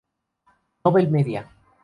Nobel Media.